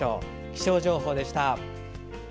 気象情報でした。